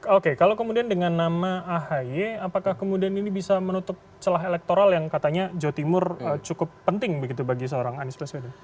oke kalau kemudian dengan nama ahy apakah kemudian ini bisa menutup celah elektoral yang katanya jawa timur cukup penting begitu bagi seorang anies baswedan